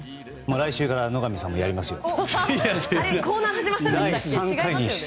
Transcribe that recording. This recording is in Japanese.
来週から野上さんもやりますよ。